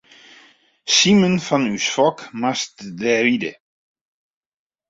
Simen fan ús Fok moast dêr ride.